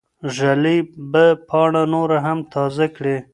ږلۍ به پاڼه نوره هم تازه کړي.